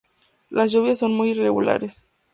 Las lluvias son muy irregulares.